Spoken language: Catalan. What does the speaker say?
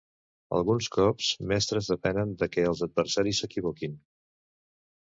Alguns cops mestres depenen de que els adversaris s'equivoquin.